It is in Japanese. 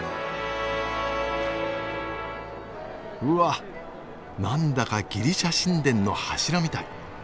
うわっ何だかギリシャ神殿の柱みたい。